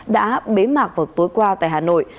đã bế mạc vào tối qua tại hà nội